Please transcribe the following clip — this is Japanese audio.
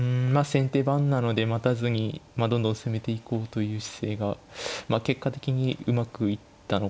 先手番なので待たずにどんどん攻めていこうという姿勢が結果的にうまくいったのかなと思います。